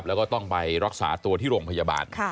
แล้วก็ต้องไปรักษาตัวที่โรงพยาบาล